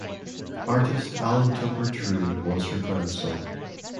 Artist Allen Tupper True was her grandson.